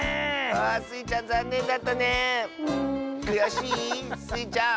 くやしい？スイちゃん。